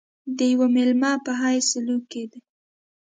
د یوه مېلمه په حیث سلوک کېدی.